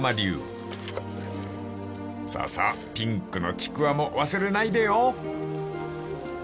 ［そうそうピンクのちくわも忘れないでよ！］